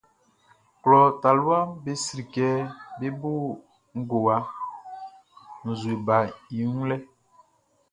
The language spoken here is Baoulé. Klɔ taluaʼm be sri kɛ bé bó ngowa nzue baʼn i wun lɛʼn.